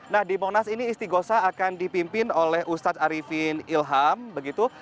nah di monas ini isti gosah akan dipimpin oleh ustaz arifin ilham begitu